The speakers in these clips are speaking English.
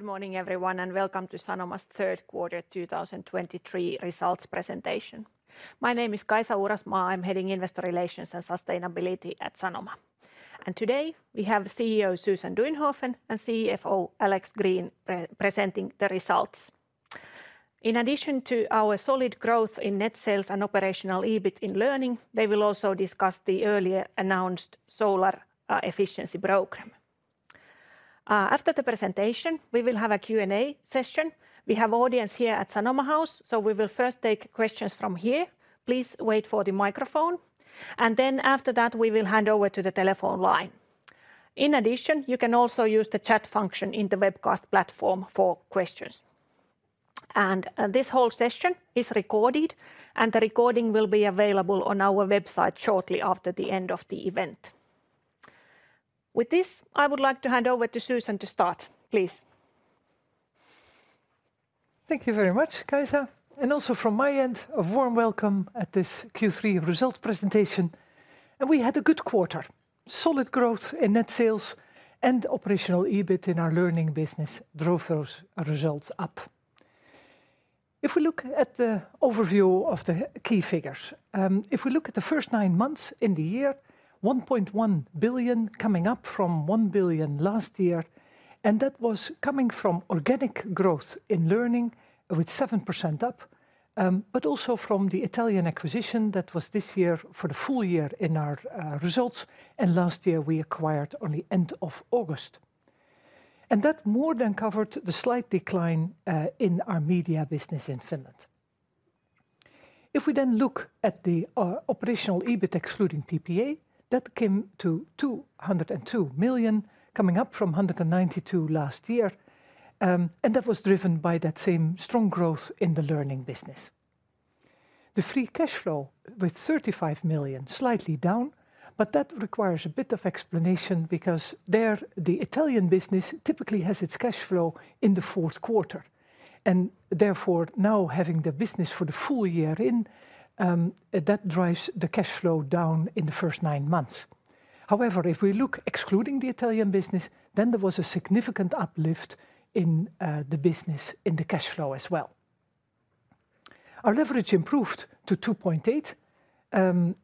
Good morning, everyone, and welcome to Sanoma's third quarter 2023 results presentation. My name is Kaisa Uurasmaa. I'm heading Investor Relations and Sustainability at Sanoma. And today, we have CEO Susan Duinhoven and CFO Alex Green pre-presenting the results. In addition to our solid growth in net sales and operational EBIT in learning, they will also discuss the earlier announced Solar efficiency program. After the presentation, we will have a Q&A session. We have audience here at Sanoma House, so we will first take questions from here. Please wait for the microphone, and then after that, we will hand over to the telephone line. In addition, you can also use the chat function in the webcast platform for questions. And, this whole session is recorded, and the recording will be available on our website shortly after the end of the event. With this, I would like to hand over to Susan to start, please. Thank you very much, Kaisa, and also from my end, a warm welcome at this Q3 results presentation. We had a good quarter. Solid growth in net sales and operational EBIT in our learning business drove those results up. If we look at the overview of the key figures, if we look at the first nine months in the year, 1.1 billion, coming up from 1 billion last year, and that was coming from organic growth in learning with 7% up, but also from the Italian acquisition that was this year for the full year in our results, and last year we acquired only end of August. And that more than covered the slight decline in our media business in Finland. If we then look at the operational EBIT excluding PPA, that came to 202 million, coming up from 192 million last year, and that was driven by that same strong growth in the learning business. The free cash flow with 35 million, slightly down, but that requires a bit of explanation because there, the Italian business typically has its cash flow in the fourth quarter. And therefore, now having the business for the full year in, that drives the cash flow down in the first nine months. However, if we look excluding the Italian business, then there was a significant uplift in, the business in the cash flow as well. Our leverage improved to 2.8,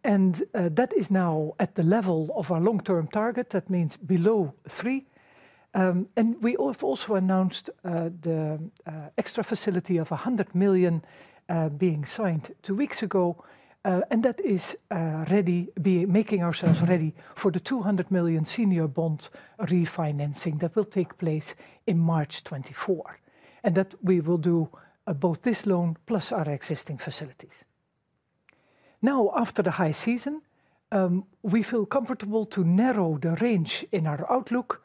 and, that is now at the level of our long-term target. That means below 3. We have also announced the extra facility of 100 million being signed two weeks ago, and that is ready, making ourselves ready for the 200 million senior bond refinancing that will take place in March 2024. We will do both this loan plus our existing facilities. Now, after the high season, we feel comfortable to narrow the range in our outlook,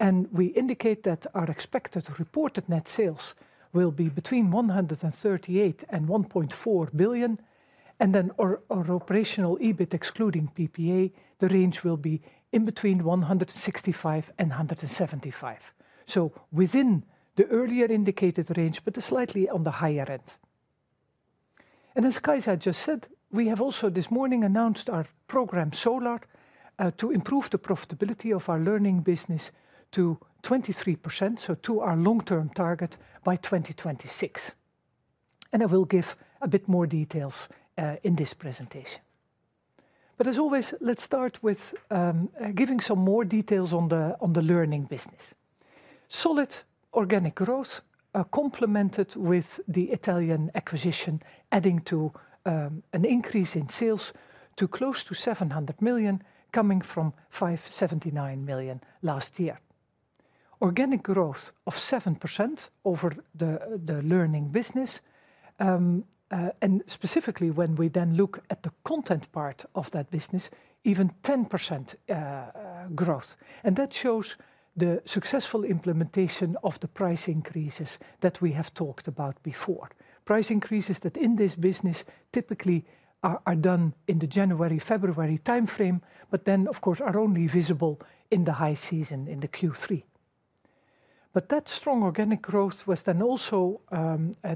and we indicate that our expected reported net sales will be between 1,138 million and 1.4 billion, and then our operational EBIT, excluding PPA, the range will be between 165 million and 175 million. So within the earlier indicated range, but slightly on the higher end. As Kaisa just said, we have also this morning announced our program, Solar, to improve the profitability of our learning business to 23%, so to our long-term target by 2026. I will give a bit more details in this presentation. But as always, let's start with giving some more details on the learning business. Solid organic growth, complemented with the Italian acquisition, adding to an increase in sales to close to 700 million, coming from 579 million last year. Organic growth of 7% over the learning business, and specifically when we then look at the content part of that business, even 10% growth. And that shows the successful implementation of the price increases that we have talked about before. Price increases that in this business typically are done in the January, February timeframe, but then, of course, are only visible in the high season, in the Q3. But that strong organic growth was then also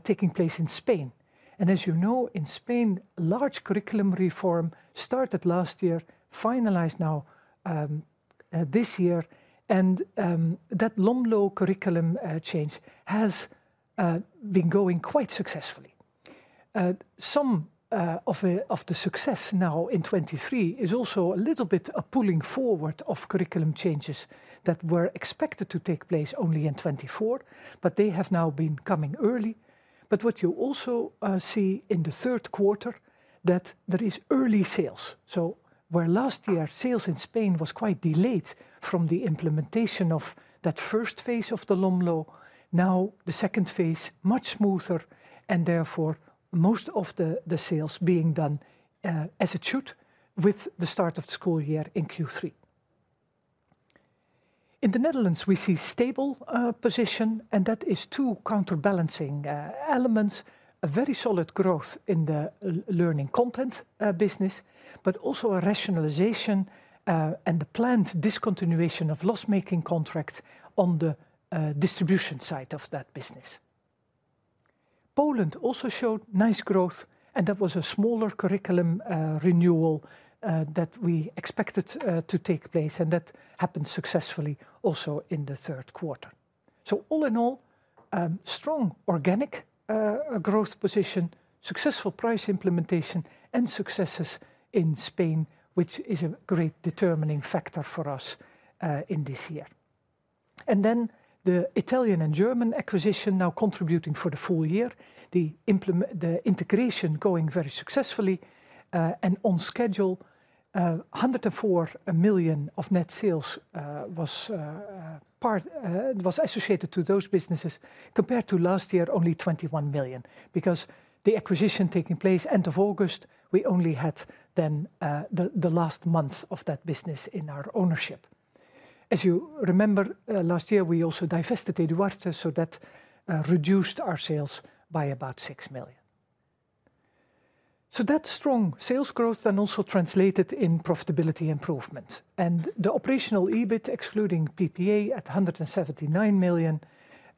taking place in Spain. And as you know, in Spain, large curriculum reform started last year, finalized now this year, and that LOMLOE curriculum change has been going quite successfully. Some of the success now in 2023 is also a little bit a pulling forward of curriculum changes that were expected to take place only in 2024, but they have now been coming early. But what you also see in the third quarter, that there is early sales. So where last year, sales in Spain was quite delayed from the implementation of that first phase of the LOMLOE, now the second phase, much smoother, and therefore, most of the, the sales being done, as it should, with the start of the school year in Q3. In the Netherlands, we see stable position, and that is two counterbalancing elements: a very solid growth in the learning content business, but also a rationalization, and the planned discontinuation of loss-making contracts on the distribution side of that business. Poland also showed nice growth, and that was a smaller curriculum renewal that we expected to take place, and that happened successfully also in the third quarter. So all in all, strong organic growth position, successful price implementation, and successes in Spain, which is a great determining factor for us in this year. And then the Italian and German acquisition now contributing for the full year, the integration going very successfully, and on schedule. 104 million of net sales was part was associated to those businesses, compared to last year, only 21 million, because the acquisition taking place end of August, we only had then the last months of that business in our ownership. As you remember, last year, we also divested Eduarte, so that reduced our sales by about 6 million. So that strong sales growth then also translated in profitability improvement, and the operational EBIT, excluding PPA, at 179 million,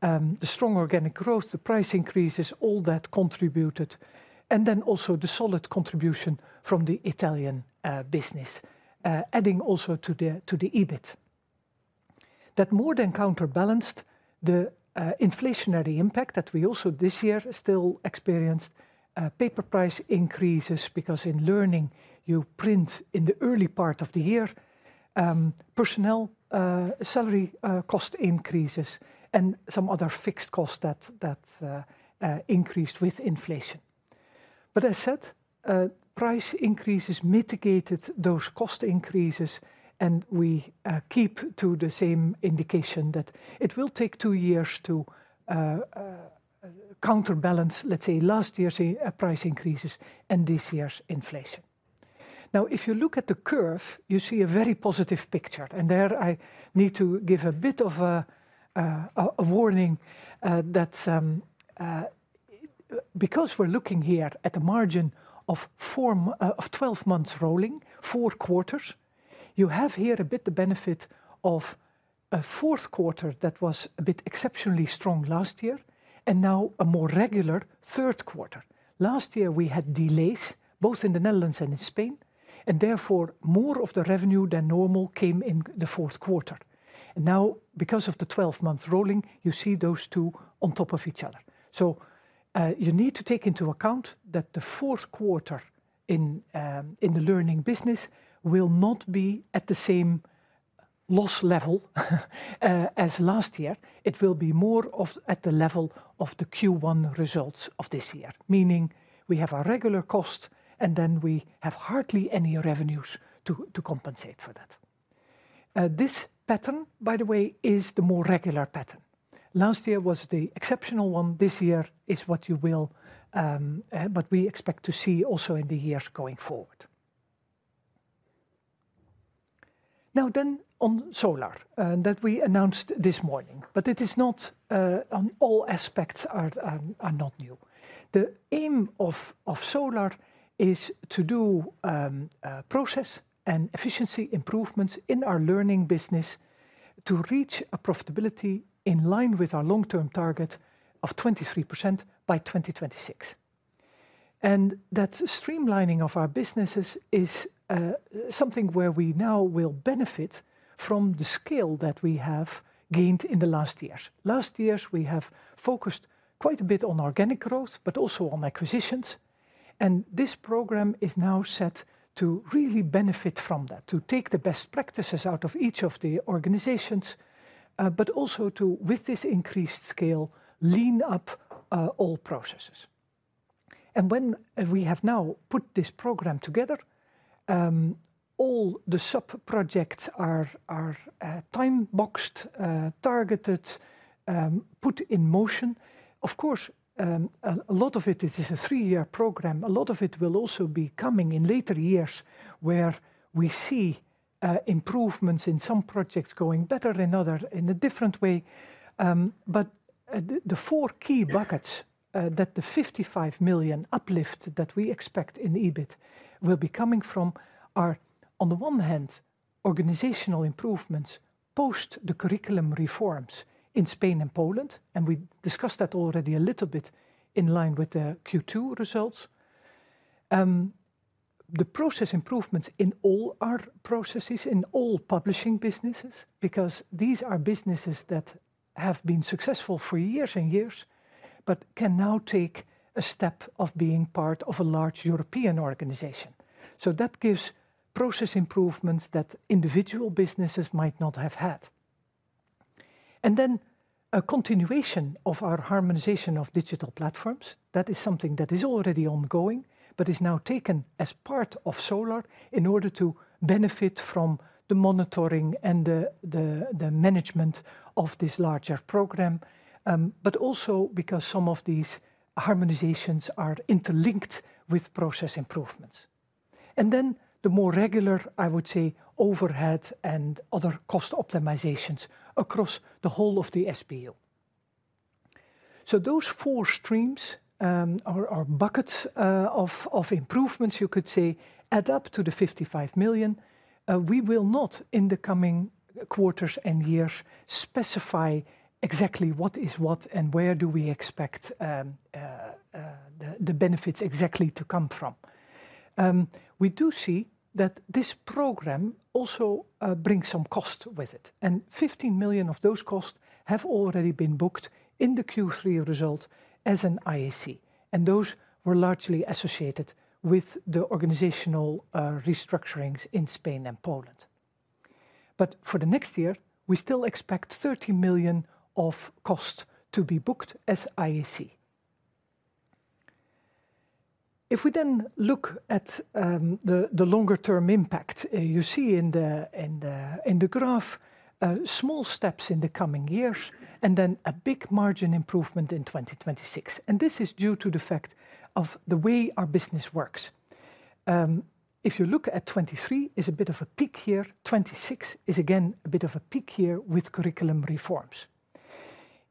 the strong organic growth, the price increases, all that contributed, and then also the solid contribution from the Italian business, adding also to the EBIT. That more than counterbalanced the inflationary impact that we also this year still experienced, paper price increases, because in learning, you print in the early part of the year, personnel salary cost increases, and some other fixed costs that increased with inflation. But as said, price increases mitigated those cost increases, and we keep to the same indication that it will take two years to counterbalance, let's say, last year's price increases and this year's inflation. Now, if you look at the curve, you see a very positive picture, and there I need to give a bit of a warning, that because we're looking here at a margin of 12 months rolling, 4 quarters, you have here a bit the benefit of a fourth quarter that was a bit exceptionally strong last year, and now a more regular third quarter. Last year, we had delays, both in the Netherlands and in Spain, and therefore, more of the revenue than normal came in the fourth quarter. Now, because of the 12 months rolling, you see those two on top of each other. So, you need to take into account that the fourth quarter in the learning business will not be at the same loss level as last year. It will be more of at the level of the Q1 results of this year, meaning we have a regular cost, and then we have hardly any revenues to compensate for that. This pattern, by the way, is the more regular pattern. Last year was the exceptional one. This year is what you will, but we expect to see also in the years going forward. Now, then, on Solar, that we announced this morning, but it is not, on all aspects are not new. The aim of Solar is to do process and efficiency improvements in our learning business to reach a profitability in line with our long-term target of 23% by 2026. And that streamlining of our businesses is something where we now will benefit from the scale that we have gained in the last years. Last years, we have focused quite a bit on organic growth, but also on acquisitions, and this program is now set to really benefit from that, to take the best practices out of each of the organizations, but also to, with this increased scale, lean up all processes. And when we have now put this program together, all the sub-projects are time-boxed, targeted, put in motion. Of course, a lot of it is a three-year program. A lot of it will also be coming in later years, where we see improvements in some projects going better than others in a different way, but the 4 key buckets that the 55 million uplift that we expect in EBIT will be coming from are, on the one hand, organizational improvements post the curriculum reforms in Spain and Poland, and we discussed that already a little bit in line with the Q2 results. The process improvements in all our processes, in all publishing businesses, because these are businesses that have been successful for years and years, but can now take a step of being part of a large European organization. So that gives process improvements that individual businesses might not have had. And then a continuation of our harmonization of digital platforms. That is something that is already ongoing, but is now taken as part of Solar in order to benefit from the monitoring and the management of this larger program, but also because some of these harmonizations are interlinked with process improvements. And then the more regular, I would say, overhead and other cost optimizations across the whole of the SBU. So those four streams, or buckets of improvements, you could say, add up to the 55 million. We will not, in the coming quarters and years, specify exactly what is what and where do we expect the benefits exactly to come from. We do see that this program also brings some cost with it, and 15 million of those costs have already been booked in the Q3 results as an IAC. Those were largely associated with the organizational restructurings in Spain and Poland. But for the next year, we still expect 30 million of cost to be booked as IAC. If we then look at the longer-term impact, you see in the graph small steps in the coming years, and then a big margin improvement in 2026, and this is due to the fact of the way our business works. If you look at 2023, is a bit of a peak year. 2026 is, again, a bit of a peak year with curriculum reforms.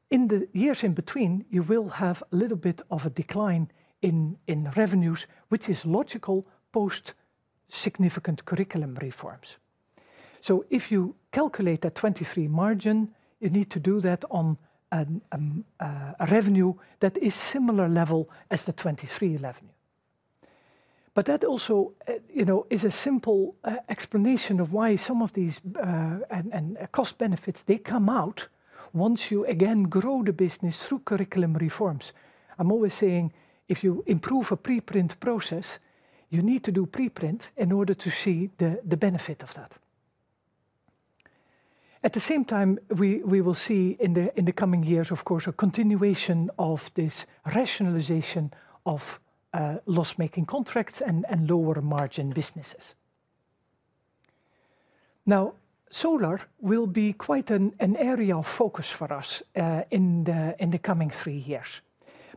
In the years in between, you will have a little bit of a decline in revenues, which is logical post-significant curriculum reforms. So if you calculate the 2023 margin, you need to do that on a revenue that is similar level as the 2023 revenue. But that also, you know, is a simple explanation of why some of these and cost benefits, they come out once you again grow the business through curriculum reforms. I'm always saying, if you improve a pre-print process, you need to do pre-print in order to see the benefit of that. At the same time, we will see in the coming years, of course, a continuation of this rationalization of loss-making contracts and lower-margin businesses. Now, Solar will be quite an area of focus for us in the coming three years.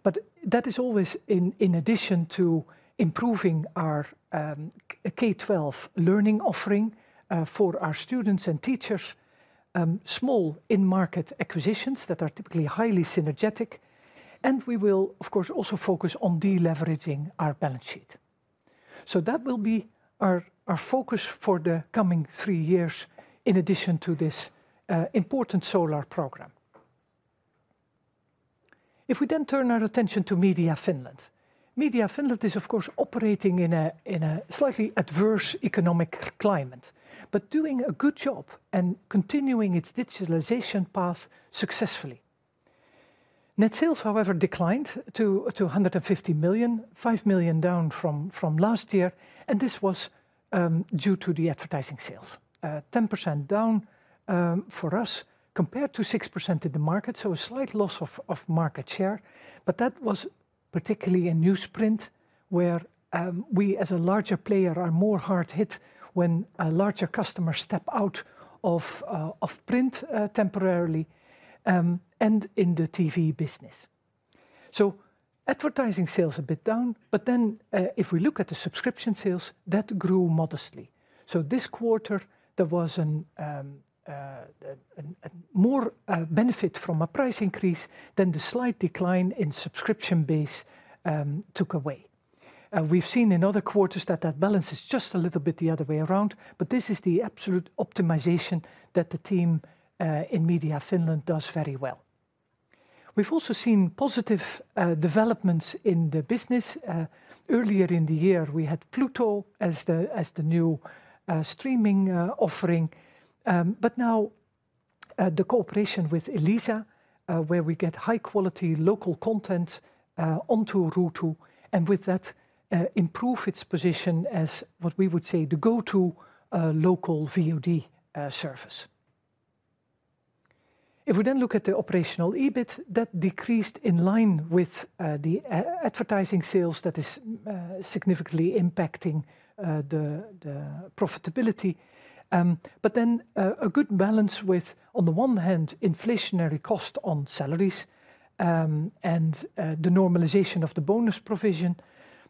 But that is always in addition to improving our K12 learning offering for our students and teachers, small in-market acquisitions that are typically highly synergetic, and we will, of course, also focus on de-leveraging our balance sheet. So that will be our focus for the coming three years, in addition to this important Solar program. If we then turn our attention to Media Finland. Media Finland is, of course, operating in a slightly adverse economic climate, but doing a good job and continuing its digitalization path successfully. Net sales, however, declined to 150 million, 5 million down from last year, and this was due to the advertising sales. Ten percent down for us, compared to six percent in the market, so a slight loss of market share, but that was particularly in newsprint, where we, as a larger player, are more hard-hit when a larger customer step out of print temporarily, and in the TV business. So advertising sales a bit down, but then, if we look at the subscription sales, that grew modestly. So this quarter, there was a more benefit from a price increase than the slight decline in subscription base took away. We've seen in other quarters that that balance is just a little bit the other way around, but this is the absolute optimization that the team in Media Finland does very well. We've also seen positive developments in the business. Earlier in the year, we had Pluto as the new streaming offering. But now, the cooperation with Elisa, where we get high-quality local content onto Ruutu, and with that, improve its position as, what we would say, the go-to local VOD service. If we then look at the operational EBIT, that decreased in line with the advertising sales that is significantly impacting the profitability. But then, a good balance with, on the one hand, inflationary cost on salaries, and the normalization of the bonus provision,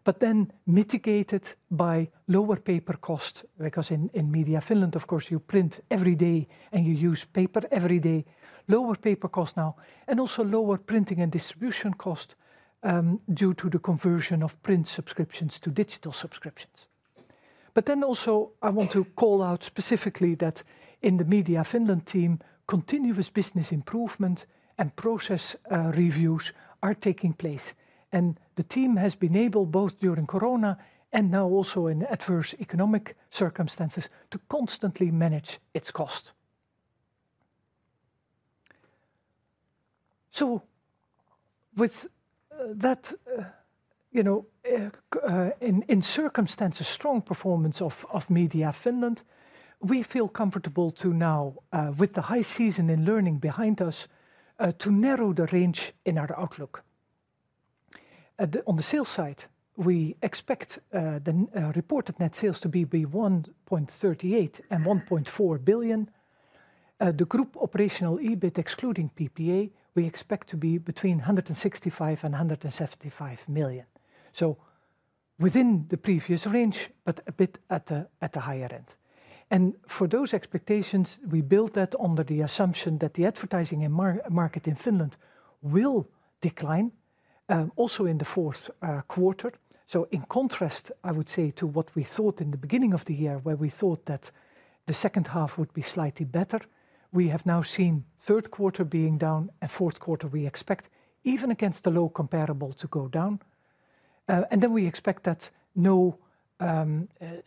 but then mitigated by lower paper cost, because in Media Finland, of course, you print every day, and you use paper every day. Lower paper cost now, and also lower printing and distribution cost, due to the conversion of print subscriptions to digital subscriptions. But then also, I want to call out specifically that in the Media Finland team, continuous business improvement and process reviews are taking place, and the team has been able, both during Corona and now also in adverse economic circumstances, to constantly manage its cost. So with that, you know, in circumstances, strong performance of Media Finland, we feel comfortable to now, with the high season in learning behind us, to narrow the range in our outlook. On the sales side, we expect the reported net sales to be between 1.38 billion and 1.4 billion. The group operational EBIT, excluding PPA, we expect to be between 165 million and 175 million. So within the previous range, but a bit at the higher end. And for those expectations, we built that under the assumption that the advertising and market in Finland will decline, also in the fourth quarter. So in contrast, I would say, to what we thought in the beginning of the year, where we thought that the second half would be slightly better, we have now seen third quarter being down and fourth quarter we expect, even against the low comparable, to go down. ... and then we expect that no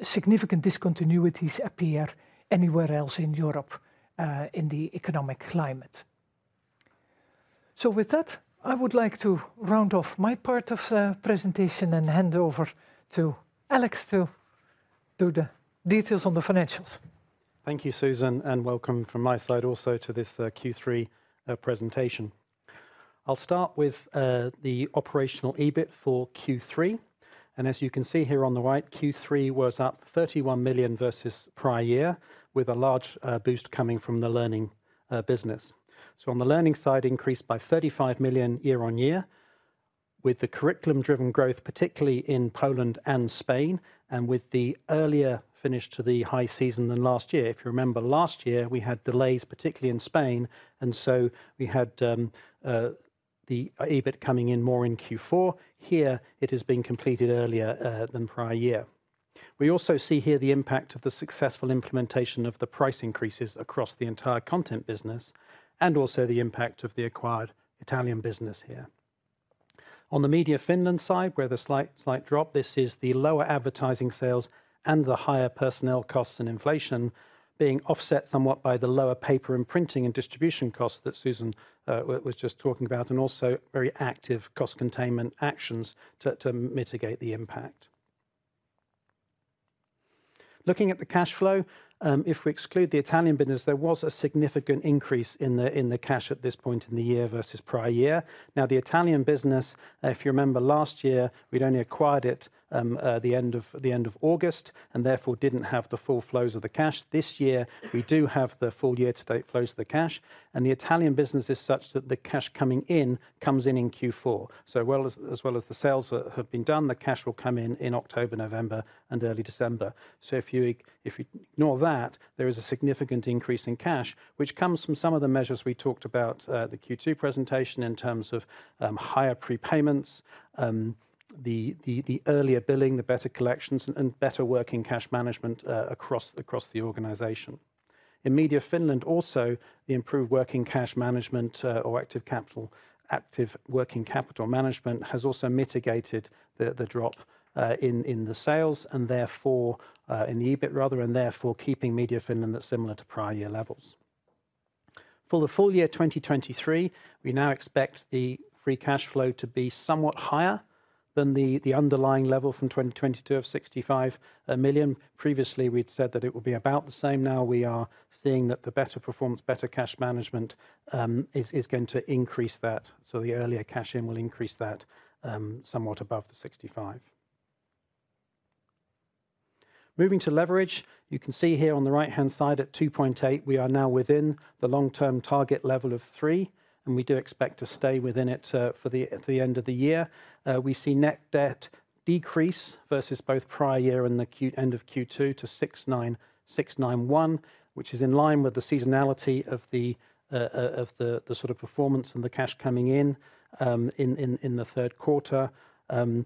significant discontinuities appear anywhere else in Europe, in the economic climate. So with that, I would like to round off my part of the presentation and hand over to Alex to do the details on the financials. Thank you, Susan, and welcome from my side also to this Q3 presentation. I'll start with the operational EBIT for Q3. As you can see here on the right, Q3 was up 31 million versus prior year, with a large boost coming from the learning business. On the learning side, increased by 35 million year-on-year, with the curriculum-driven growth, particularly in Poland and Spain, and with the earlier finish to the high season than last year. If you remember, last year, we had delays, particularly in Spain, and so we had the EBIT coming in more in Q4. Here, it has been completed earlier than prior year. We also see here the impact of the successful implementation of the price increases across the entire content business, and also the impact of the acquired Italian business here. On the Media Finland side, where the slight, slight drop, this is the lower advertising sales and the higher personnel costs and inflation being offset somewhat by the lower paper and printing and distribution costs that Susan was just talking about, and also very active cost containment actions to mitigate the impact. Looking at the cash flow, if we exclude the Italian business, there was a significant increase in the cash at this point in the year versus prior year. Now, the Italian business, if you remember last year, we'd only acquired it the end of August, and therefore didn't have the full flows of the cash. This year, we do have the full year-to-date flows of the cash, and the Italian business is such that the cash coming in comes in in Q4. As well as the sales that have been done, the cash will come in in October, November, and early December. So if you ignore that, there is a significant increase in cash, which comes from some of the measures we talked about, the Q2 presentation, in terms of higher prepayments, the earlier billing, the better collections, and better working cash management across the organization. In Media Finland also, the improved working cash management or active working capital management has also mitigated the drop in the sales, and therefore in the EBIT rather, and therefore keeping Media Finland similar to prior year levels. For the full year 2023, we now expect the free cash flow to be somewhat higher than the underlying level from 2022 of 65 million. Previously, we'd said that it would be about the same. Now we are seeing that the better performance, better cash management, is going to increase that. So the earlier cash in will increase that, somewhat above the 65 million. Moving to leverage, you can see here on the right-hand side at 2.8, we are now within the long-term target level of 3, and we do expect to stay within it, for the end of the year. We see net debt decrease versus both prior year and the Q... End of Q2 to 69,691, which is in line with the seasonality of the sort of performance and the cash coming in in the third quarter. And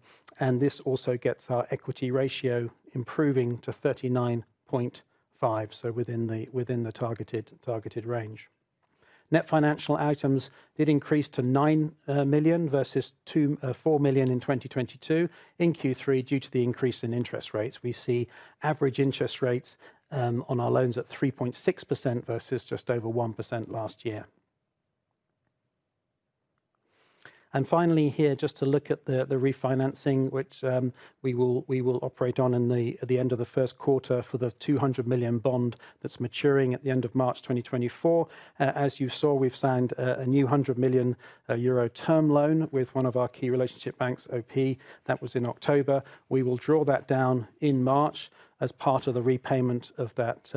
this also gets our equity ratio improving to 39.5%, so within the targeted range. Net financial items did increase to 9 million, versus 24 million in 2022. In Q3, due to the increase in interest rates, we see average interest rates on our loans at 3.6% versus just over 1% last year. And finally here, just to look at the refinancing, which we will operate on at the end of the first quarter for the 200 million bond that's maturing at the end of March 2024. As you saw, we've signed a new 100 million euro term loan with one of our key relationship banks, OP. That was in October. We will draw that down in March as part of the repayment of that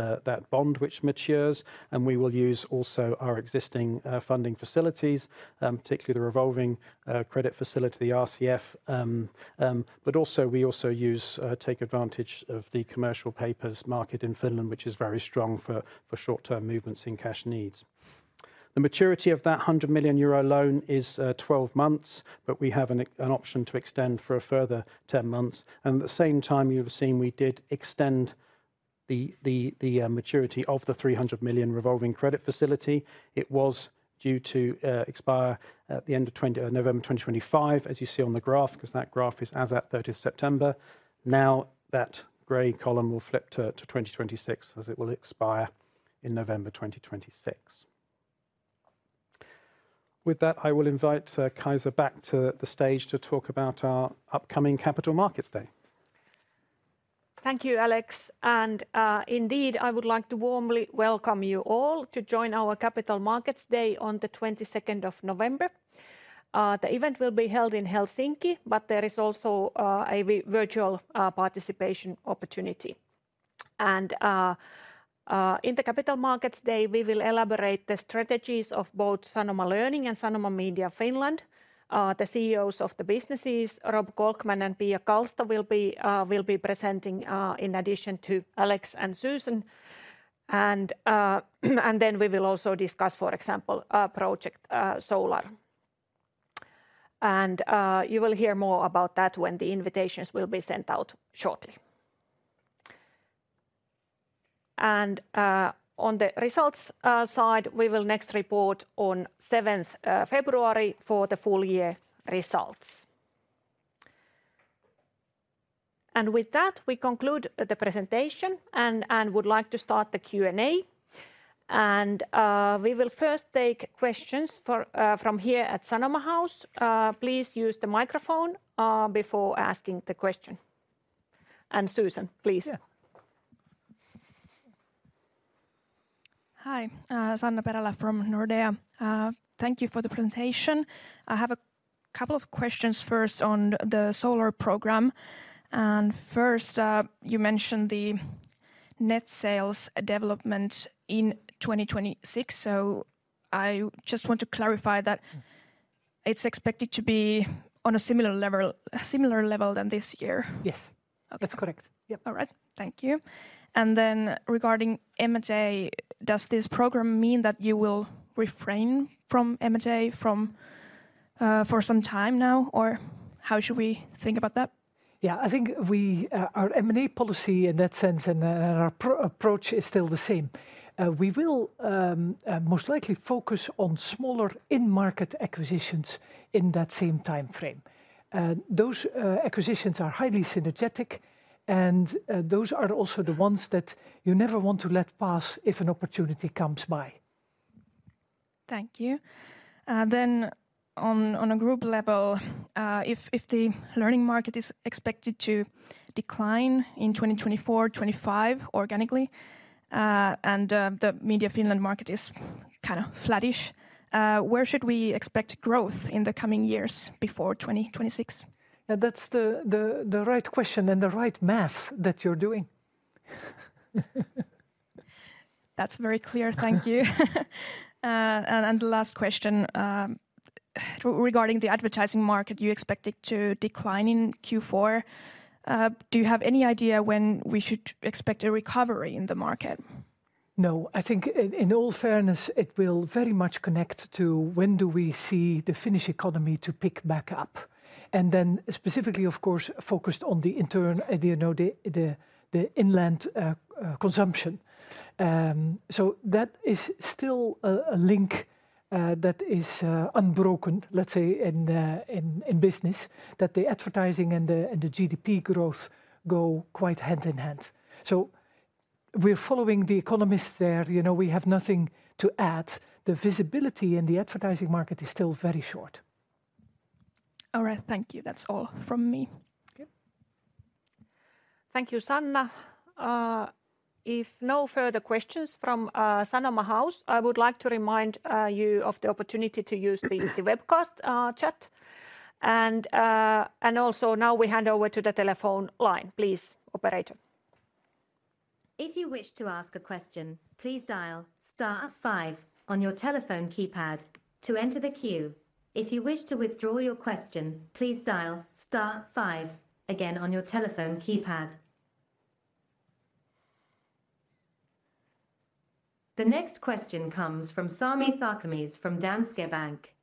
bond, which matures, and we will use also our existing funding facilities, particularly the revolving credit facility, the RCF. But also, we also use take advantage of the commercial papers market in Finland, which is very strong for short-term movements in cash needs. The maturity of that 100 million euro loan is 12 months, but we have an option to extend for a further 10 months. And at the same time, you've seen we did extend the maturity of the 300 million revolving credit facility. It was due to expire at the end of twenty November 2025, as you see on the graph, 'cause that graph is as at 30th September. Now, that gray column will flip to 2026, as it will expire in November 2026. With that, I will invite Kaisa back to the stage to talk about our upcoming Capital Markets Day. Thank you, Alex. Indeed, I would like to warmly welcome you all to join our Capital Markets Day on the 22nd of November. The event will be held in Helsinki, but there is also a virtual participation opportunity. In the Capital Markets Day, we will elaborate the strategies of both Sanoma Learning and Sanoma Media Finland. The CEOs of the businesses, Rob Kolkman and Pia Kalsta, will be presenting in addition to Alex and Susan. Then we will also discuss, for example, Project Solar. You will hear more about that when the invitations will be sent out shortly. And on the results side, we will next report on 7th February for the full year results. With that, we conclude the presentation and would like to start the Q&A. We will first take questions from here at Sanoma House. Please use the microphone before asking the question. And Susan, please. Yeah. Hi, Sanna Perälä from Nordea. Thank you for the presentation. I have a couple of questions first on the Solar program. First, you mentioned the net sales development in 2026, so I just want to clarify that it's expected to be on a similar level, a similar level than this year? Yes. Okay. That's correct. Yep. All right. Thank you. And then regarding M&A, does this program mean that you will refrain from M&A from for some time now, or how should we think about that? Yeah, I think we, our M&A policy in that sense and, our approach is still the same. We will most likely focus on smaller in-market acquisitions in that same time frame. Those acquisitions are highly synergetic, and those are also the ones that you never want to let pass if an opportunity comes by. Thank you. Then on a group level, if the learning market is expected to decline in 2024, 2025 organically, and the Media Finland market is kind of flattish, where should we expect growth in the coming years before 2026? That's the right question and the right math that you're doing. That's very clear. Thank you. And, and the last question, regarding the advertising market, you expect it to decline in Q4. Do you have any idea when we should expect a recovery in the market? No. I think in all fairness, it will very much connect to when do we see the Finnish economy to pick back up? And then specifically, of course, focused on you know, the inland consumption. So that is still a link that is unbroken, let's say, in business, that the advertising and the GDP growth go quite hand in hand. So we're following the economists there. You know, we have nothing to add. The visibility in the advertising market is still very short. All right. Thank you. That's all from me. Okay. Thank you, Sanna. If no further questions from Sanoma House, I would like to remind you of the opportunity to use the webcast chat. And also now we hand over to the telephone line. Please, operator. If you wish to ask a question, please dial star five on your telephone keypad to enter the queue. If you wish to withdraw your question, please dial star five again on your telephone keypad. The next question comes from Sami Sarkamies from Danske Bank.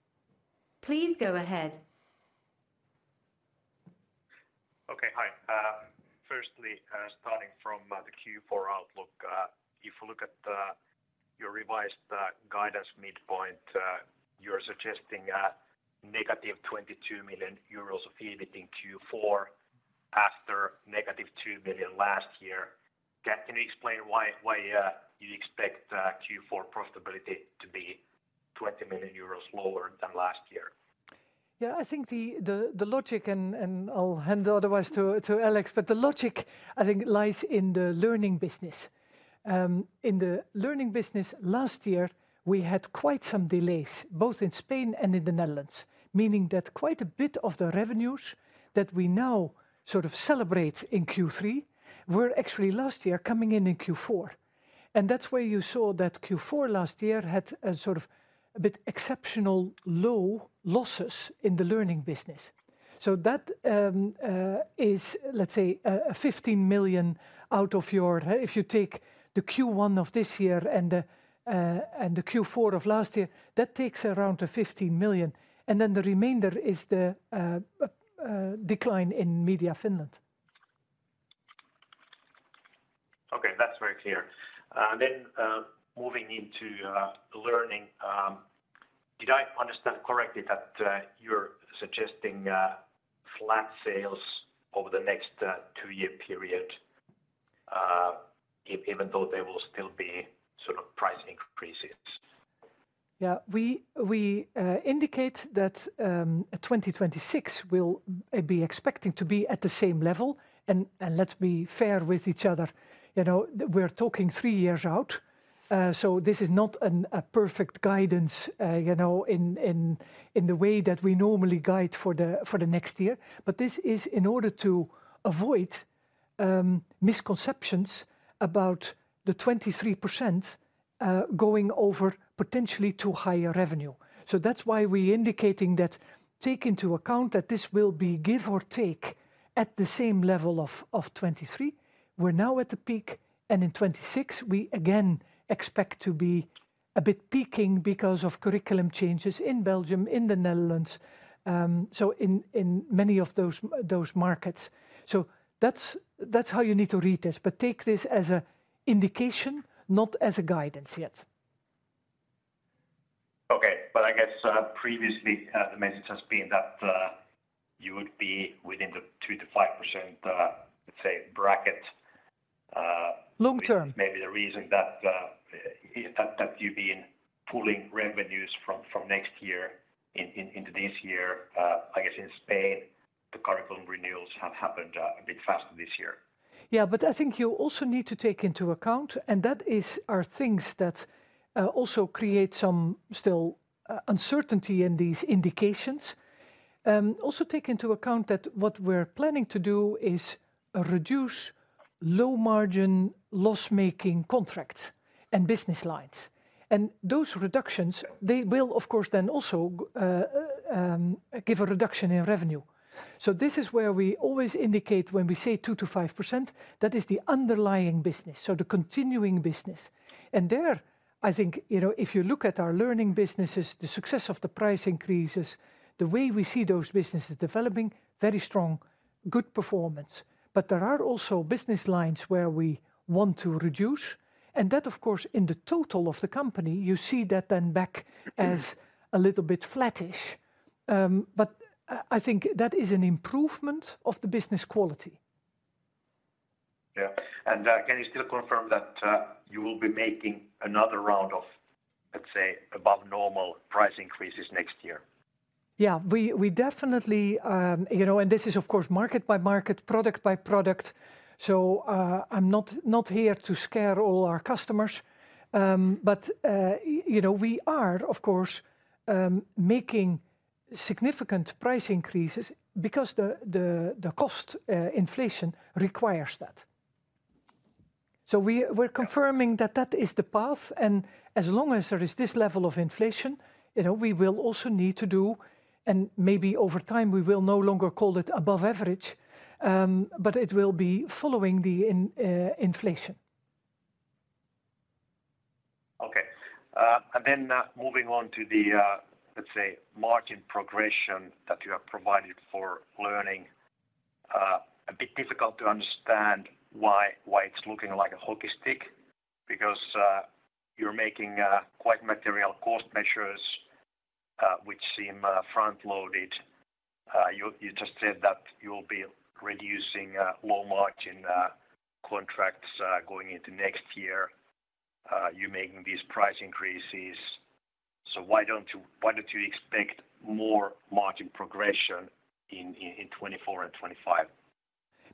Please go ahead. Okay. Hi. Firstly, starting from the Q4 outlook, if you look at your revised guidance midpoint, you're suggesting -22 million euros of EBIT in Q4, after -2 million last year. Can you explain why you expect Q4 profitability to be 20 million euros lower than last year? Yeah, I think the logic and I'll hand otherwise to Alex, but the logic, I think, lies in the learning business. In the learning business last year, we had quite some delays, both in Spain and in the Netherlands, meaning that quite a bit of the revenues that we now sort of celebrate in Q3 were actually last year coming in in Q4. And that's where you saw that Q4 last year had a sort of a bit exceptional low losses in the learning business. So that is, let's say, a 15 million out of your... If you take the Q1 of this year and the Q4 of last year, that takes around to 15 million, and then the remainder is the decline in Media Finland. Okay, that's very clear. Then, moving into learning, did I understand correctly that you're suggesting flat sales over the next two-year period, even though there will still be sort of pricing increases? Yeah. We indicate that 2026 will be expecting to be at the same level. And let's be fair with each other, you know, we're talking 3 years out, so this is not a perfect guidance, you know, in the way that we normally guide for the next year. But this is in order to avoid misconceptions about the 23% going over potentially to higher revenue. So that's why we're indicating that take into account that this will be, give or take, at the same level of 2023. We're now at the peak, and in 2026, we again expect to be a bit peaking because of curriculum changes in Belgium, in the Netherlands, so in many of those markets. So that's how you need to read this. But take this as an indication, not as a guidance yet.... so previously, the message has been that, you would be within the 2%-5%, let's say bracket, Long term. Which may be the reason that you've been pulling revenues from next year into this year. I guess in Spain, the curriculum renewals have happened a bit faster this year. Yeah, but I think you also need to take into account, and that is things that also create some still uncertainty in these indications. Also take into account that what we're planning to do is reduce low-margin, loss-making contracts and business lines. And those reductions, they will, of course, then also give a reduction in revenue. So this is where we always indicate when we say 2%-5%, that is the underlying business, so the continuing business. And there, I think, you know, if you look at our learning businesses, the success of the price increases, the way we see those businesses developing, very strong, good performance. But there are also business lines where we want to reduce, and that, of course, in the total of the company, you see that then back as a little bit flattish. But I think that is an improvement of the business quality. Yeah. And, can you still confirm that, you will be making another round of, let's say, above normal price increases next year? Yeah. We definitely, you know... And this is, of course, market by market, product by product, so, I'm not here to scare all our customers. But, you know, we are, of course, making significant price increases because the cost inflation requires that. So we- Right... we're confirming that that is the path, and as long as there is this level of inflation, you know, we will also need to do, and maybe over time we will no longer call it above average, but it will be following the inflation. Okay. And then, moving on to the, let's say, margin progression that you have provided for learning. A bit difficult to understand why, why it's looking like a hockey stick, because you're making quite material cost measures, which seem front-loaded. You, you just said that you will be reducing low margin contracts going into next year. You're making these price increases. So why don't you, why don't you expect more margin progression in, in, in 2024 and 2025?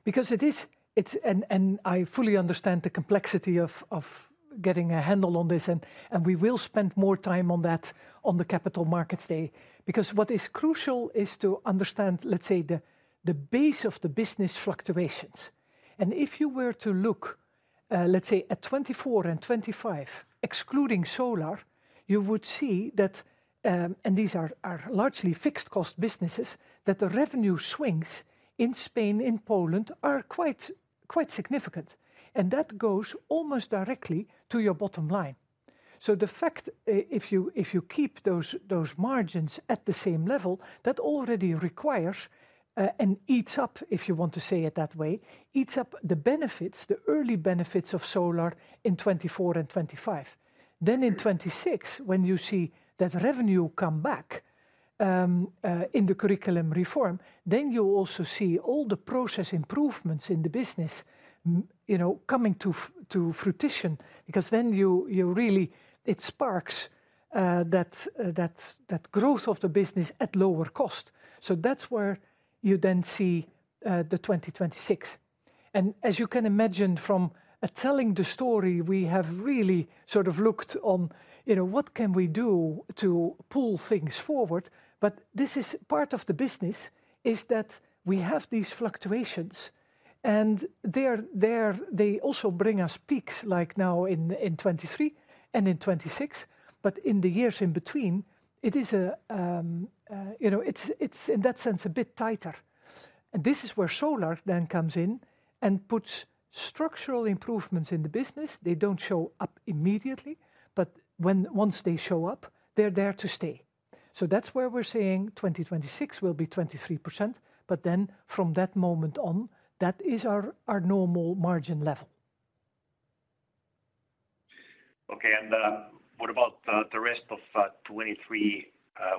Because it is, it's. And I fully understand the complexity of getting a handle on this, and we will spend more time on that on the Capital Markets Day. Because what is crucial is to understand, let's say, the base of the business fluctuations. And if you were to look, let's say, at 2024 and 2025, excluding Solar, you would see that - and these are largely fixed cost businesses - that the revenue swings in Spain, in Poland, are quite significant. And that goes almost directly to your bottom line. So the fact, if you keep those margins at the same level, that already requires and eats up, if you want to say it that way, eats up the benefits, the early benefits of Solar in 2024 and 2025. Then in 2026, when you see that revenue come back in the curriculum reform, then you also see all the process improvements in the business, you know, coming to fruition, because then you really it sparks that growth of the business at lower cost. So that's where you then see the 2026. And as you can imagine from telling the story, we have really sort of looked on, you know, what can we do to pull things forward? But this is part of the business, is that we have these fluctuations, and they also bring us peaks, like now in 2023 and in 2026. But in the years in between, it is, you know, it's in that sense a bit tighter. This is where Solar then comes in and puts structural improvements in the business. They don't show up immediately, but once they show up, they're there to stay. That's where we're saying 2026 will be 23%, but then from that moment on, that is our, our normal margin level. Okay, what about the rest of 2023?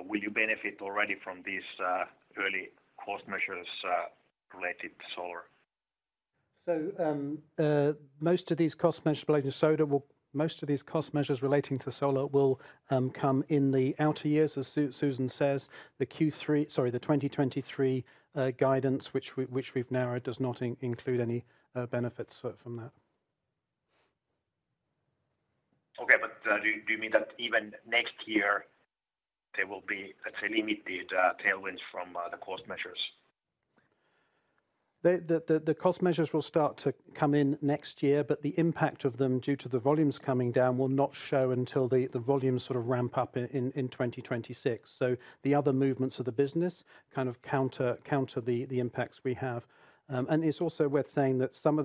Will you benefit already from these early cost measures related to Solar? So, most of these cost measures relating to Solar will come in the outer years. As Susan says, the Q3... Sorry, the 2023 guidance, which we've narrowed, does not include any benefits from that. Okay, but do you mean that even next year there will be, let's say, limited tailwinds from the cost measures? The cost measures will start to come in next year, but the impact of them, due to the volumes coming down, will not show until the volumes sort of ramp up in 2026. So the other movements of the business kind of counter the impacts we have. And it's also worth saying that some of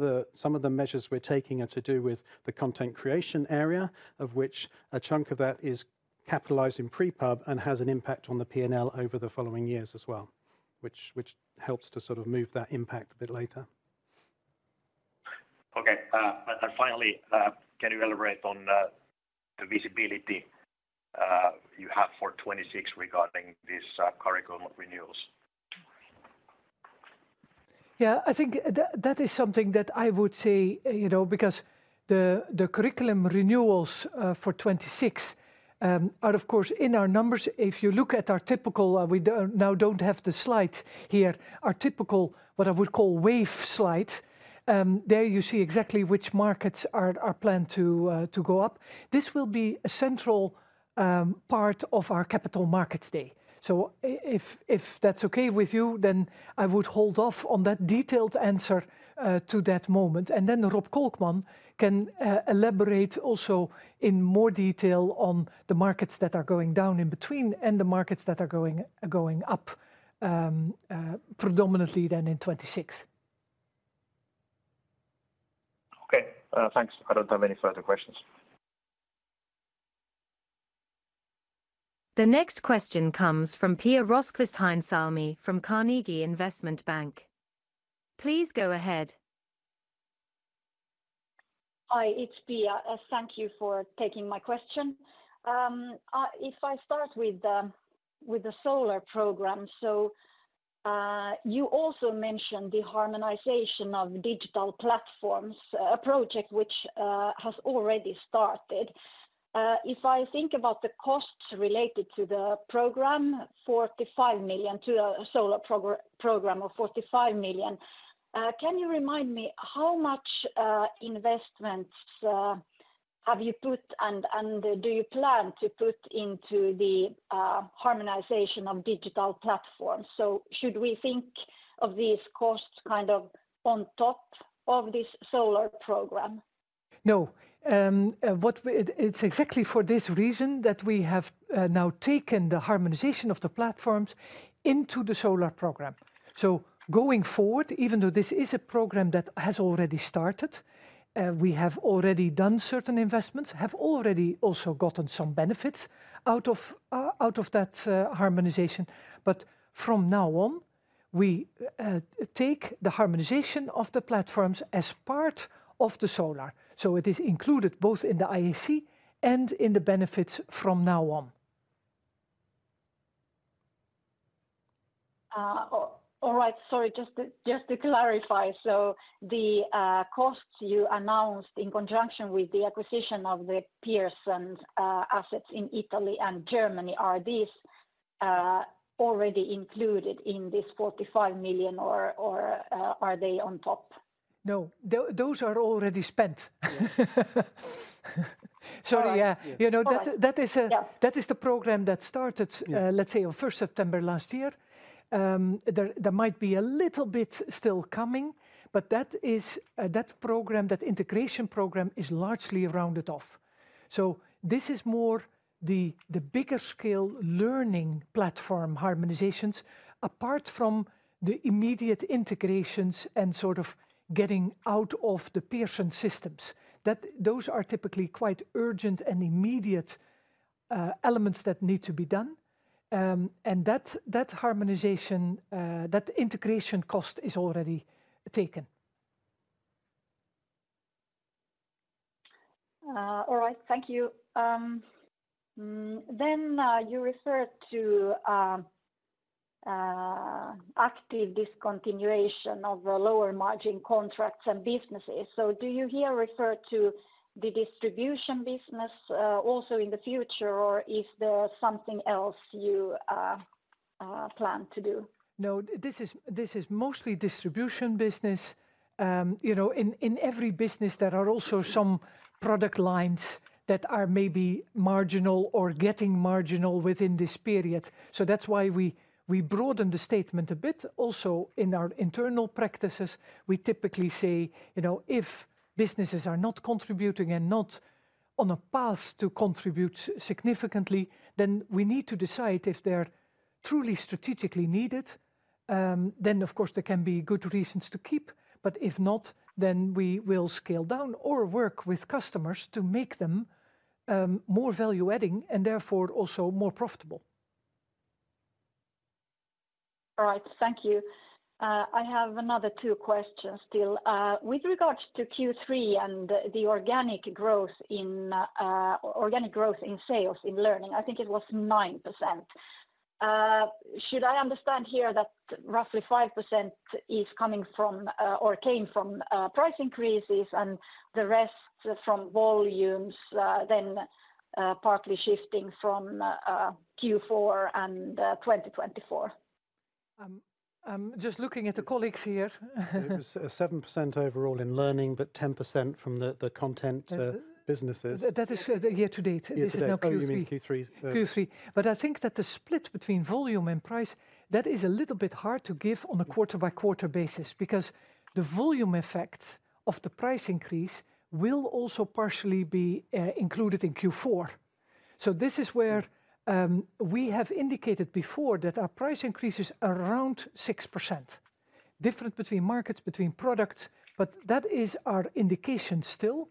the measures we're taking are to do with the content creation area, of which a chunk of that is capitalized in pre-pub and has an impact on the P&L over the following years as well, which helps to sort of move that impact a bit later.... Okay, and finally, can you elaborate on the visibility you have for 2026 regarding these curriculum renewals? Yeah, I think that is something that I would say, you know, because the curriculum renewals for 2026 are of course in our numbers. If you look at our typical, we don't have the slides here, our typical what I would call wave slides, there you see exactly which markets are planned to go up. This will be a central part of our Capital Markets Day. So if that's okay with you, then I would hold off on that detailed answer to that moment, and then Rob Kolkman can elaborate also in more detail on the markets that are going down in between and the markets that are going up, predominantly then in 2026. Okay, thanks. I don't have any further questions. The next question comes from Pia Rosqvist-Heinsalmi from Carnegie Investment Bank. Please go ahead. Hi, it's Pia. Thank you for taking my question. If I start with the Solar program, you also mentioned the harmonization of digital platforms, a project which has already started. If I think about the costs related to the program, 45 million to a Solar program of 45 million, can you remind me how much investments have you put and do you plan to put into the harmonization of digital platforms? So should we think of these costs kind of on top of this Solar program? No. It's exactly for this reason that we have now taken the harmonization of the platforms into the Solar program. So going forward, even though this is a program that has already started, we have already done certain investments, have already also gotten some benefits out of that harmonization. But from now on, we take the harmonization of the platforms as part of the Solar, so it is included both in the IAC and in the benefits from now on. All right. Sorry, just to clarify, so the costs you announced in conjunction with the acquisition of the Pearson assets in Italy and Germany, are these already included in this 45 million, or are they on top? No, those are already spent. So yeah- All right. You know, that- Yeah... that is, that is the program that started- Yeah... let's say on first September last year. There might be a little bit still coming, but that is that program, that integration program, is largely rounded off. So this is more the bigger scale learning platform harmonizations, apart from the immediate integrations and sort of getting out of the Pearson systems, that those are typically quite urgent and immediate elements that need to be done. And that harmonization, that integration cost is already taken. All right. Thank you. Then, you referred to active discontinuation of the lower margin contracts and businesses. So do you here refer to the distribution business also in the future, or is there something else you plan to do? No, this is mostly distribution business. You know, in every business, there are also some product lines that are maybe marginal or getting marginal within this period. So that's why we broaden the statement a bit. Also, in our internal practices, we typically say, you know, if businesses are not contributing and not on a path to contribute significantly, then we need to decide if they're truly strategically needed. Then, of course, there can be good reasons to keep, but if not, then we will scale down or work with customers to make them more value-adding and therefore also more profitable. All right. Thank you. I have another two questions still. With regards to Q3 and the organic growth in sales in learning, I think it was 9%. Should I understand here that roughly 5% is coming from or came from price increases and the rest from volumes, then partly shifting from Q4 and 2024? I'm just looking at the colleagues here. It was 7% overall in learning, but 10% from the content businesses. That is, year-to-date. Year-to-date. This is now Q3. Oh, you mean Q3. Q3. But I think that the split between volume and price, that is a little bit hard to give on a quarter-by-quarter basis, because the volume effects of the price increase will also partially be included in Q4. So this is where we have indicated before that our price increase is around 6%. Different between markets, between products, but that is our indication still.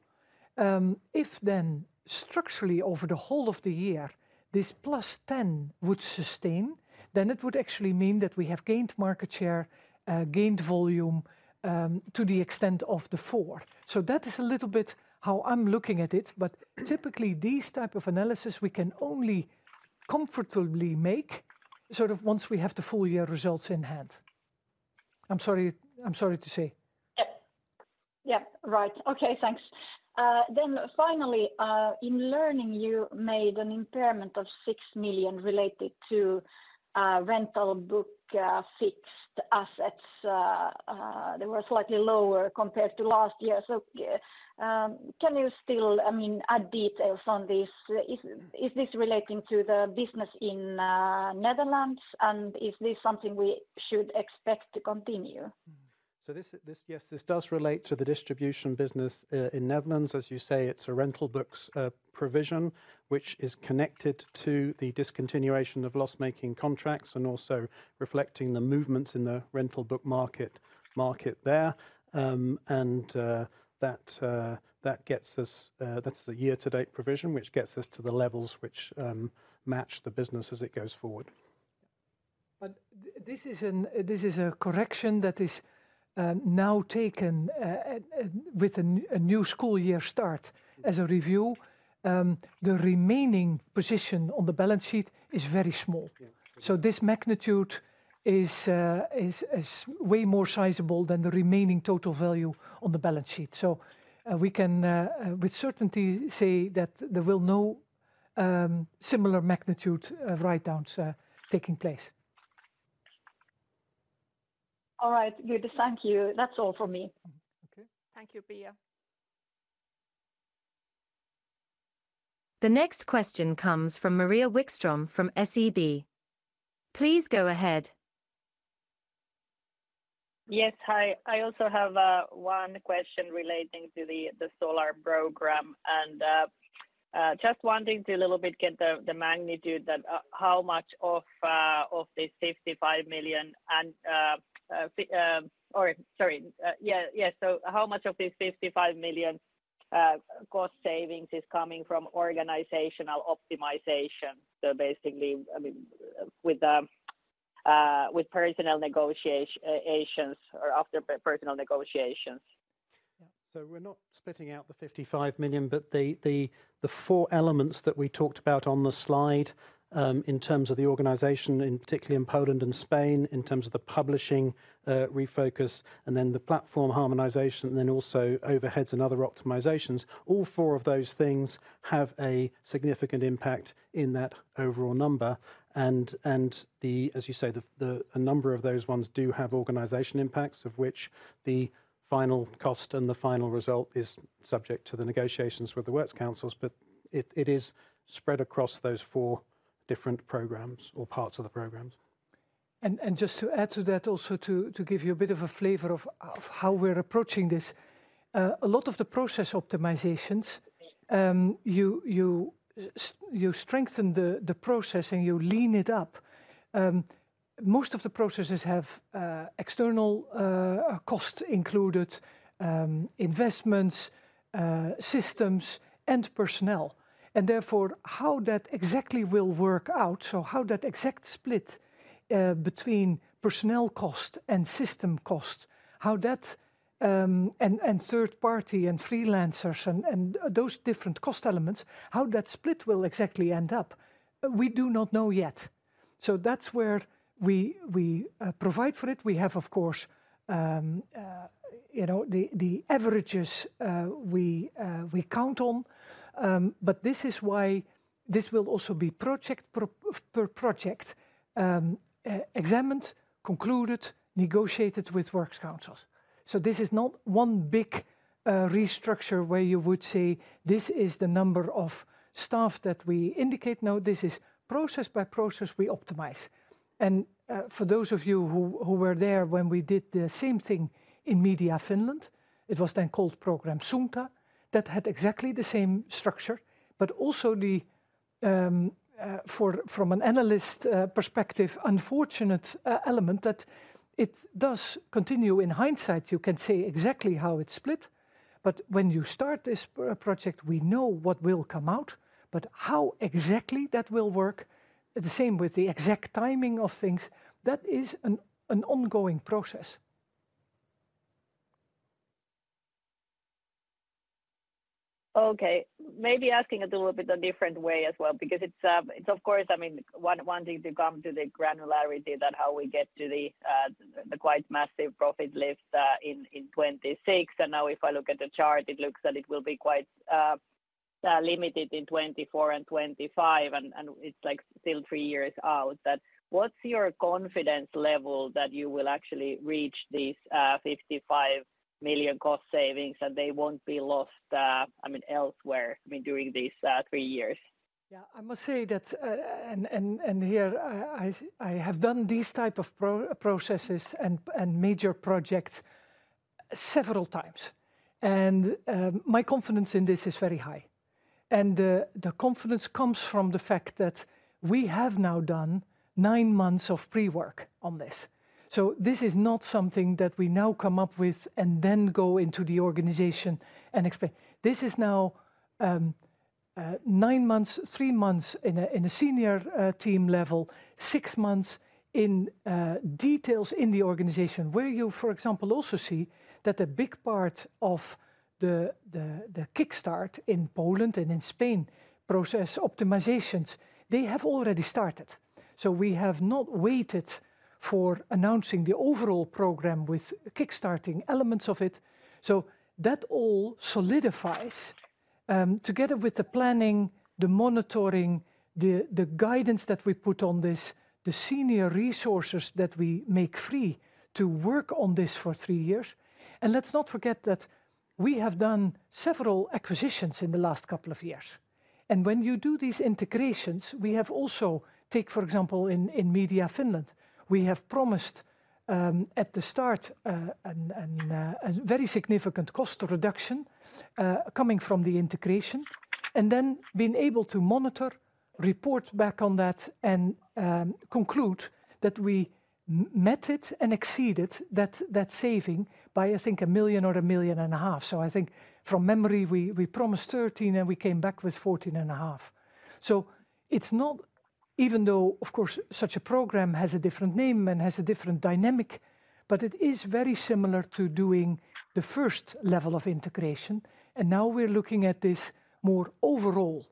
If then structurally over the whole of the year, this plus 10 would sustain, then it would actually mean that we have gained market share, gained volume, to the extent of the 4. So that is a little bit how I'm looking at it, but typically, these type of analysis, we can only comfortably make, sort of, once we have the full year results in hand. I'm sorry, I'm sorry to say. Yep. Yep, right. Okay, thanks. Then finally, in learning, you made an impairment of 6 million related to rental book fixed assets. They were slightly lower compared to last year. So, can you still, I mean, add details on this? Is this relating to the business in Netherlands, and is this something we should expect to continue? So this... Yes, this does relate to the distribution business in Netherlands. As you say, it's a rental books provision, which is connected to the discontinuation of loss-making contracts and also reflecting the movements in the rental book market there. That gets us-- That's the year-to-date provision, which gets us to the levels which match the business as it goes forward. But this is a correction that is now taken with a new school year start. As a review, the remaining position on the balance sheet is very small. Yeah. So this magnitude is way more sizable than the remaining total value on the balance sheet. So, we can with certainty say that there will no similar magnitude write-downs taking place. All right, good. Thank you. That's all from me. Okay. Thank you, Pia. The next question comes from Maria Wikström from SEB. Please go ahead. Yes. Hi, I also have one question relating to the Solar program, and just wanting to a little bit get the magnitude that how much of the 55 million, or sorry, yeah, so how much of this 55 million cost savings is coming from organizational optimization? So basically, I mean, with personnel negotiations or after personnel negotiations. Yeah. So we're not splitting out the 55 million, but the four elements that we talked about on the slide, in terms of the organization, and particularly in Poland and Spain, in terms of the publishing refocus, and then the platform harmonization, and then also overheads and other optimizations, all four of those things have a significant impact in that overall number. And, as you say, a number of those ones do have organization impacts, of which the final cost and the final result is subject to the negotiations with the works councils, but it is spread across those four different programs or parts of the programs. Just to add to that, also to give you a bit of a flavor of how we're approaching this, a lot of the process optimizations, you strengthen the process, and you lean it up. Most of the processes have external cost included, investments, systems, and personnel, and therefore, how that exactly will work out, so how that exact split between personnel cost and system cost, how that and third party and freelancers and those different cost elements, how that split will exactly end up, we do not know yet. So that's where we provide for it. We have, of course, you know, the averages, we count on, but this is why this will also be project pro... Per project, examined, concluded, negotiated with works councils. So this is not one big restructure, where you would say, "This is the number of staff that we indicate." No, this is process by process we optimize. And for those of you who were there when we did the same thing in Media Finland, it was then called Program Suunta, that had exactly the same structure, but also the from an analyst perspective, unfortunate element, that it does continue. In hindsight, you can say exactly how it's split, but when you start this project, we know what will come out, but how exactly that will work, the same with the exact timing of things, that is an ongoing process. Okay, maybe asking it a little bit a different way as well, because it's, it's of course, I mean, one, wanting to come to the granularity that how we get to the, the quite massive profit lift, in, in 2026. And now if I look at the chart, it looks that it will be quite, limited in 2024 and 2025, and, and it's, like, still three years out. But what's your confidence level that you will actually reach these, 55 million cost savings, and they won't be lost, I mean, elsewhere, I mean, during these, three years? Yeah, I must say that, and here, I have done these type of processes and major projects several times, and my confidence in this is very high. And the confidence comes from the fact that we have now done nine months of pre-work on this. So this is not something that we now come up with and then go into the organization and explain. This is now nine months, three months in a senior team level, six months in details in the organization, where you, for example, also see that a big part of the kick start in Poland and in Spain process optimizations, they have already started. So we have not waited for announcing the overall program with kickstarting elements of it. So that all solidifies, together with the planning, the monitoring, the guidance that we put on this, the senior resources that we make free to work on this for three years. Let's not forget that we have done several acquisitions in the last couple of years. When you do these integrations, we have also. Take, for example, in Media Finland, we have promised at the start a very significant cost reduction coming from the integration, and then been able to monitor, report back on that, and conclude that we met it and exceeded that saving by, I think, 1 million or 1.5 million. So I think from memory, we promised 13 million, and we came back with 14.5 million. So it's not even though, of course, such a program has a different name and has a different dynamic, but it is very similar to doing the first level of integration, and now we're looking at this more overall.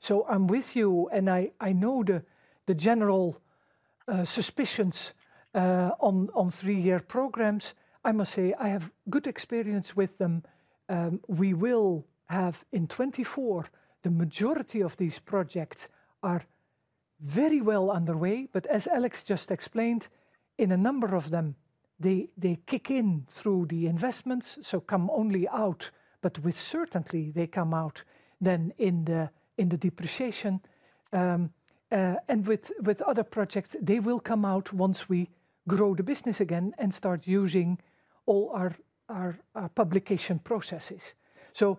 So I'm with you, and I know the general suspicions on three-year programs. I must say, I have good experience with them. We will have, in 2024, the majority of these projects are very well underway, but as Alex just explained, in a number of them, they kick in through the investments, so come only out, but with certainty they come out then in the depreciation. And with other projects, they will come out once we grow the business again and start using all our publication processes. So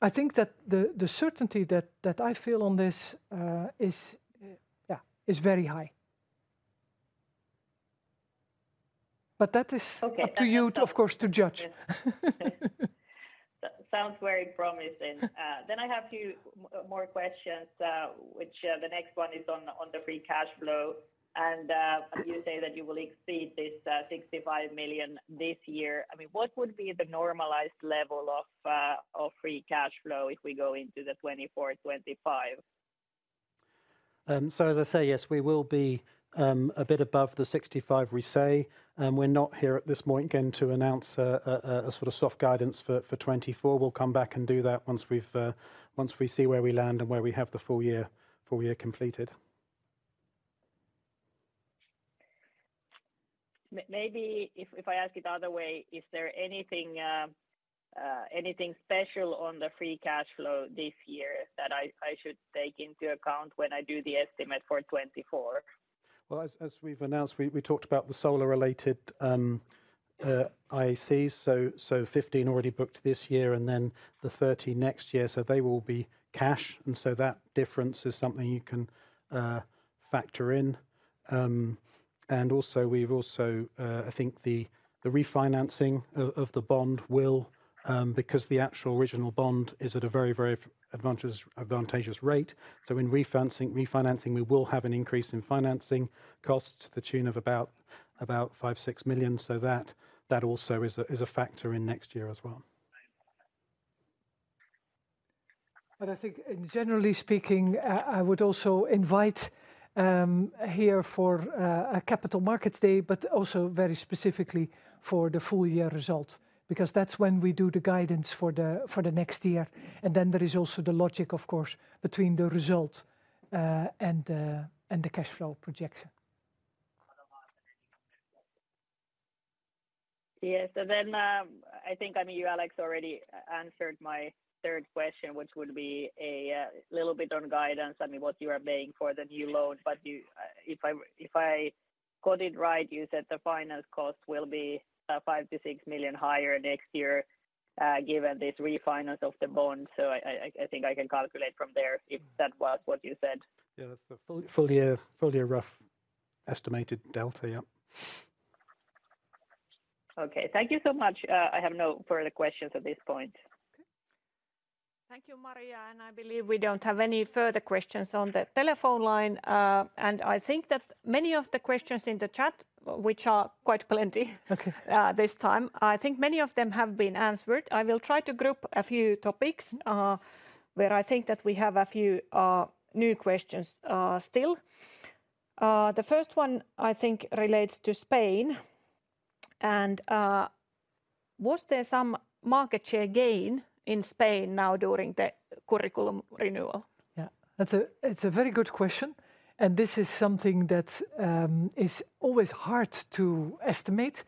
I think that the certainty that I feel on this is, yeah, is very high. But that is- Okay... up to you, of course, to judge. Sounds very promising. Then I have a few more questions, which the next one is on the free cash flow. You say that you will exceed 65 million this year. I mean, what would be the normalized level of free cash flow if we go into 2024, 2025? So as I say, yes, we will be a bit above the 65 we say. We're not here at this point going to announce a sort of soft guidance for 2024. We'll come back and do that once we see where we land and where we have the full year, full year completed. Maybe if, if I ask it the other way, is there anything special on the free cash flow this year that I, I should take into account when I do the estimate for 2024? Well, as we've announced, we talked about the Solar-related IAC, so 15 already booked this year and then the 30 next year. So they will be cash, and so that difference is something you can factor in. And also, we've also I think the refinancing of the bond will, because the actual original bond is at a very advantageous rate. So in refinancing, we will have an increase in financing costs to the tune of about 5-6 million. So that also is a factor in next year as well. But I think, generally speaking, I would also invite here for a Capital Markets Day, but also very specifically for the full year result, because that's when we do the guidance for the next year. And then there is also the logic, of course, between the result and the cash flow projection. Yes. So then, I think, I mean, you, Alex, already answered my third question, which would be a little bit on guidance, I mean, what you are paying for the new loan. But you, if I, if I got it right, you said the finance cost will be 5 million-6 million higher next year, given this refinance of the bond. So I, I, I think I can calculate from there if that was what you said. Yeah, that's the full year, a rough estimated delta, yep. Okay. Thank you so much. I have no further questions at this point. Okay. Thank you, Maria, and I believe we don't have any further questions on the telephone line. I think that many of the questions in the chat, which are quite plenty- Okay... this time, I think many of them have been answered. I will try to group a few topics, where I think that we have a few, new questions, still. The first one, I think, relates to Spain, and was there some market share gain in Spain now during the curriculum renewal? Yeah, that's a very good question, and this is something that is always hard to estimate.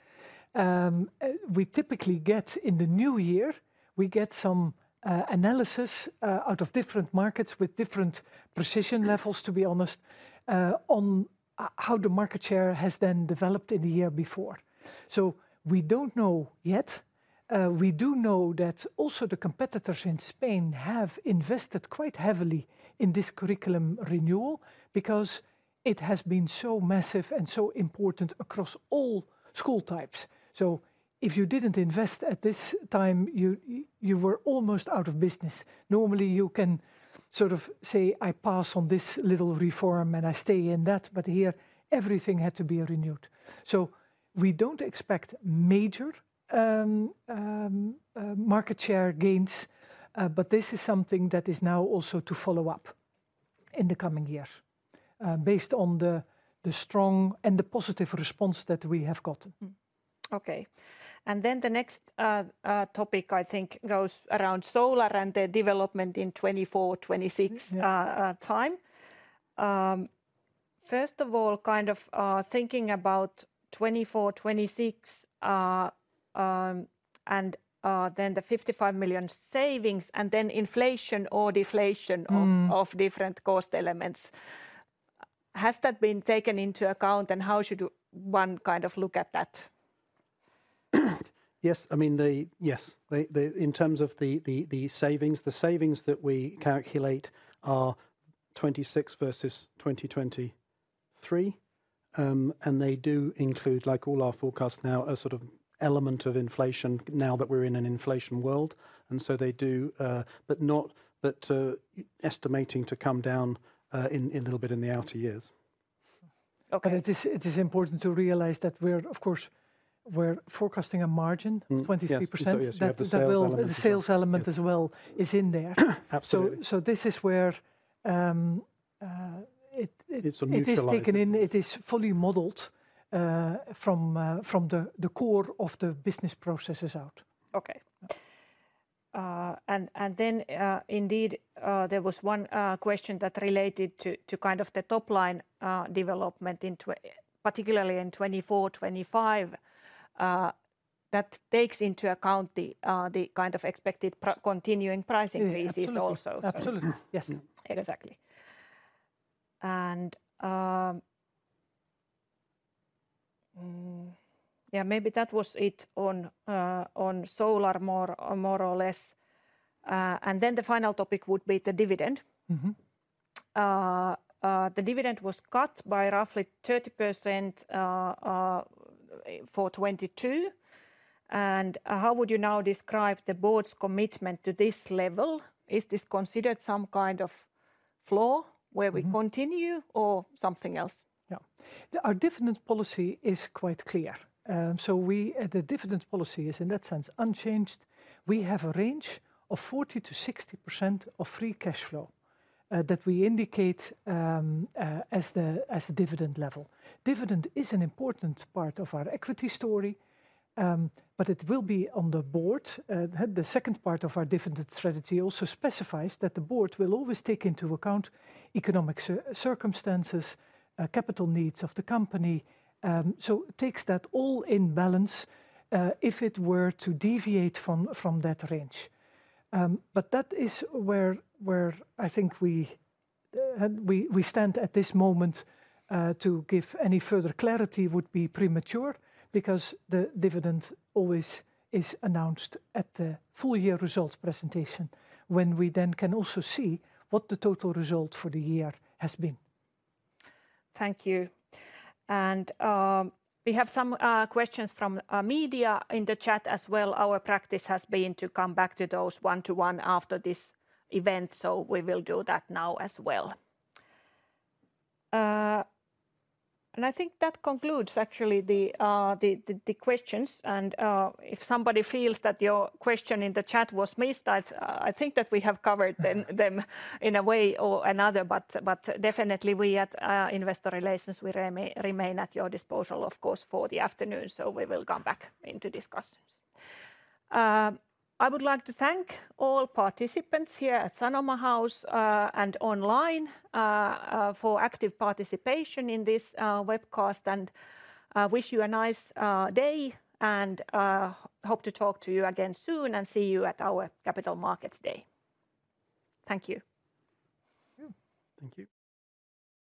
We typically get, in the new year, we get some analysis out of different markets with different precision levels, to be honest, on how the market share has then developed in the year before. So we don't know yet. We do know that also the competitors in Spain have invested quite heavily in this curriculum renewal because it has been so massive and so important across all school types. So if you didn't invest at this time, you were almost out of business. Normally, you can sort of say, "I pass on this little reform, and I stay in that," but here, everything had to be renewed. So we don't expect major market share gains, but this is something that is now also to follow up in the coming years, based on the strong and the positive response that we have gotten. Mm-hmm. Okay. And then the next topic I think goes around Solar and the development in 2024, 2026- Yeah... time. First of all, kind of, thinking about 2024, 2026, and then the 55 million savings, and then inflation or deflation of- Mm... of different cost elements, has that been taken into account, and how should one kind of look at that? Yes, I mean, the savings that we calculate are 2026 versus 2023. And they do include, like all our forecasts now, a sort of element of inflation now that we're in an inflation world, and so they do, but estimating to come down in a little bit in the outer years. Okay. But it is important to realize that we're, of course, forecasting a margin- Mm... 23%. Yes, you have the sales element. The sales element as well is in there. Absolutely. So this is where it It's a neutralizer.... it is taken in, it is fully modeled, from the core of the business processes out. Okay. And then, indeed, there was one question that related to kind of the top-line development in 2024, particularly in 2024, 2025, that takes into account the kind of expected continuing pricing increases also. Absolutely. Absolutely. Yes. Exactly. And, yeah, maybe that was it on Solar more or less. And then the final topic would be the dividend. Mm-hmm. The dividend was cut by roughly 30% for 2022. How would you now describe the board's commitment to this level? Is this considered some kind of floor? Mm... where we continue, or something else? Yeah. Our dividend policy is quite clear. So, the dividend policy is, in that sense, unchanged. We have a range of 40%-60% of free cash flow that we indicate as the dividend level. Dividend is an important part of our equity story, but it will be on the board. The second part of our dividend strategy also specifies that the board will always take into account economic circumstances, capital needs of the company, so takes that all in balance, if it were to deviate from that range. But that is where I think we stand at this moment. To give any further clarity would be premature, because the dividend always is announced at the full year results presentation, when we then can also see what the total result for the year has been. Thank you. We have some questions from our media in the chat as well. Our practice has been to come back to those one-to-one after this event, so we will do that now as well. And I think that concludes actually the questions, and if somebody feels that your question in the chat was missed, I, I think that we have covered them in a way or another. But definitely we at Investor Relations remain at your disposal, of course, for the afternoon, so we will come back into discussions. I would like to thank all participants here at Sanoma House and online for active participation in this webcast, and wish you a nice day and hope to talk to you again soon and see you at our Capital Markets Day. Thank you. Yeah. Thank you.